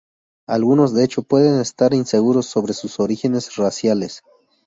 Algunos de hecho pueden estar inseguros sobre sus orígenes raciales.